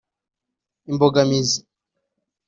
imbogamizi